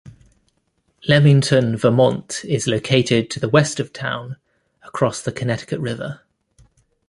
Lemington, Vermont is located to the west of town, across the Connecticut River.